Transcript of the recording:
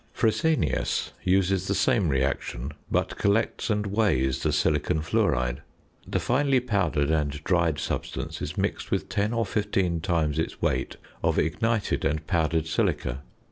Fresenius uses the same reaction; but collects and weighs the silicon fluoride. The finely powdered and dried substance is mixed with ten or fifteen times its weight of ignited and powdered silica.